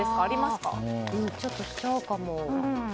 ちょっとしちゃうかも。